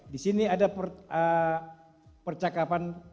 di sini ada percakapan